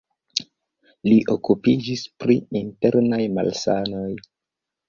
Li okupiĝis pri internaj malsanoj.